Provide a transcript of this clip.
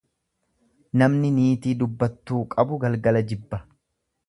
Namni niitii dubbattuu qabu galgala jibba.